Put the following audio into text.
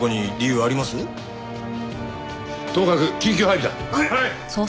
はい！